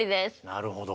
なるほど。